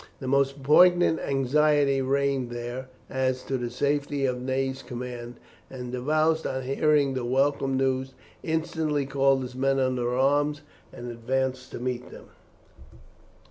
The most poignant anxiety reigned there as to the safety of Ney's command; and Davoust, on hearing the welcome news, instantly called his men under arms and advanced to meet them.